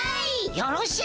よろしい！